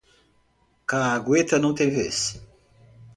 Cagueta não tem vez